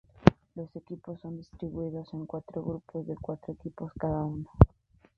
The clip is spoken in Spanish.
Los equipos son distribuidos en cuatro grupos de cuatro equipos cada uno.